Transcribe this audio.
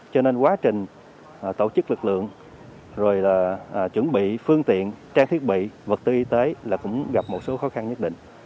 cho nên quá trình tổ chức lực lượng rồi là chuẩn bị phương tiện trang thiết bị vật tư y tế là cũng gặp một số khó khăn nhất định